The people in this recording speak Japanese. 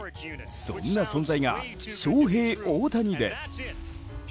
そんな存在がショウヘイ・オオタニです。